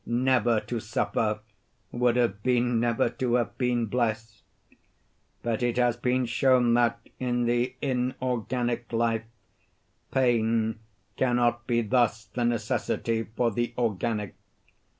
Never to suffer would have been never to have been blessed. But it has been shown that, in the inorganic life, pain cannot be thus the necessity for the organic.